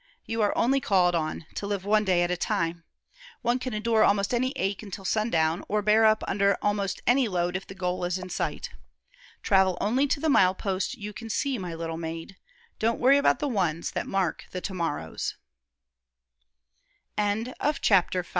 "You are only called on to live one day at a time. One can endure almost any ache until sundown, or bear up under almost any load if the goal is in sight. Travel only to the mile post you can see, my little maid. Don't worry about the ones that mark the to morrows." CHAPTER VI. TWO TURNINGS IN BETHANY'S LANE.